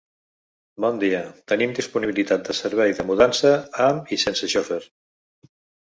Bon dia, tenim disponibilitat de servei de mudança amb i sense xofer.